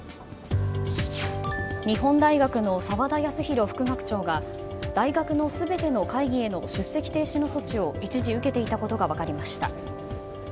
日本大学の沢田康広副学長が大学の全ての会議への出席停止の措置を一時受けていたことが分かりました。